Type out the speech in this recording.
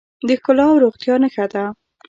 د ښکلا او روغتیا نښه ده.